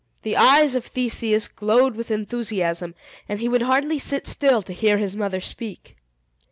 The eyes of Theseus glowed with enthusiasm, and he would hardly sit still to hear his mother speak.